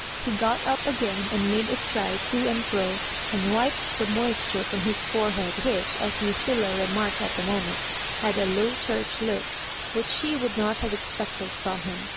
He got up again and made a stride to and fro, and wiped the moisture from his forehead, which, as Lucilla remarked at the moment had a Low Church look, which she would not have expected from him.